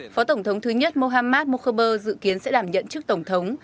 phó tổng thống thứ nhất mohammad mokherber dự kiến sẽ đảm nhận trước tổng thống